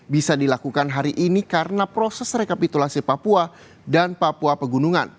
bisa dilakukan hari ini karena proses rekapitulasi papua dan papua pegunungan